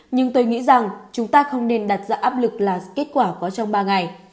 nhưng tôi nghĩ rằng chúng ta không nên đặt ra áp lực là kết quả có trong ba ngày